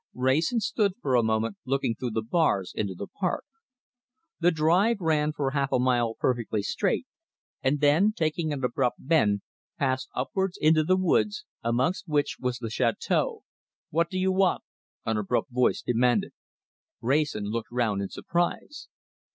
Wrayson stood for a moment looking through the bars into the park. The drive ran for half a mile perfectly straight, and then, taking an abrupt bend, passed upwards into the woods, amongst which was the château. "What do you want?" an abrupt voice demanded. Wrayson looked round in surprise.